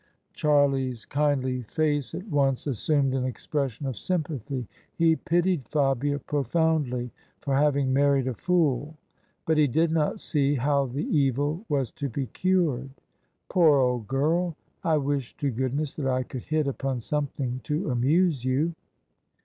Charlie's kindly face at once assumed an expression of sympathy. He pitied Fabia profoundly for having married a fool, but he did not see how the evil was to be cured. " Poor old girl! I wish to goodness that I could hit upon something to amuse you."